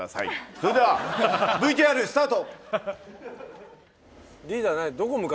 それでは、ＶＴＲスタート！